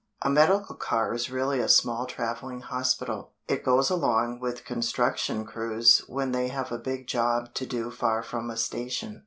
A medical car is really a small traveling hospital. It goes along with construction crews when they have a big job to do far from a station.